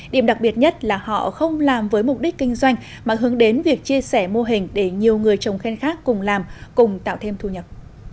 điểm đặc biệt nhất là họ không làm với mục đích kinh doanh mà hướng đến việc chia sẻ mô hình để nhiều người trồng sen khác cùng làm cùng tạo thêm thu nhập